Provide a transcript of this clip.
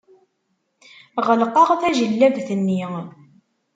Ɣelqeɣ tajellabt-nni.